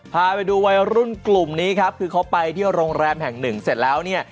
พาไปดูวัยรุ่นกลุ่มนี้ครับคือเขาไปที่โรงแรมแห่งหนึ่งเสร็จแล้วเนี่ย